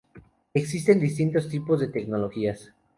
Existen distintos tipos de tecnologías.